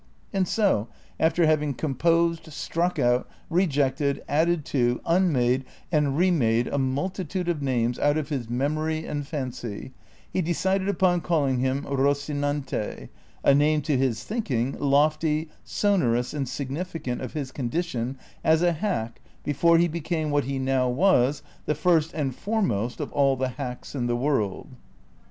And so, after having composed, struck out, rejected, added to, unmade, and remade a multitude of names out of his memory and fancy, he decided upon calling him Rocinante, a name, to his thinking, lofty, sonorous, and significant of his condition as a hack be fore he became what he now Avas, the first and foremost of all the hacks in the Avorld.